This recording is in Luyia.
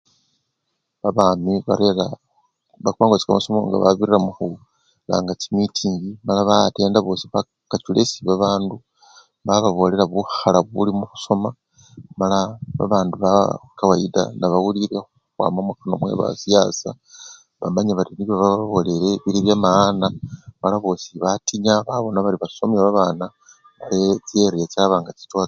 Babami barera bakosya kamasomo nga babirira mukhulanga chimitingi mala ba-attenda bosi bakachula esii babandu bababolela bukhala buli mukhusoma mala abandu bakawayida nebawulile khukhwama mukhanwa mwe basiyasa bamanya bari nibyo bababolele biri byamaana mala bosi batinya khubona bari basomya babana chi eriya chaba nga chichowachowana